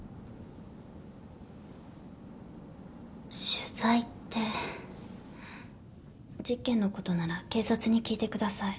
取材って事件のことなら警察に聞いてください。